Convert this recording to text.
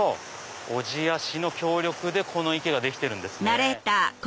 小千谷市の協力でこの池ができてるんですね。